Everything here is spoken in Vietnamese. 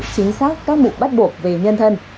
chính xác các mục bắt buộc về nhân thân